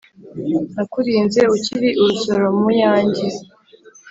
nakurinze ukiri urusoro mu yanjye